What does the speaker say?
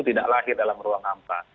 tidak lahir dalam ruang hampa